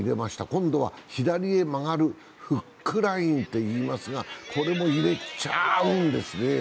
今度は左へ曲がるフックラインと言いますがこれも入れちゃうんですね。